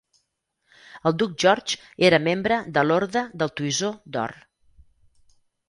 El duc George era membre de l'Orde del Toisó d'Or.